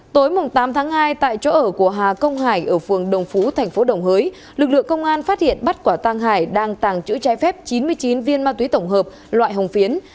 tối tám tháng hai tại chỗ ở của hà công hải ở phường đồng phú thành phố đồng hới lực lượng công an phát hiện bắt quả tăng hải đang tàng trữ trái phép chín mươi chín viên ma túy tổng hợp loại hồng phiến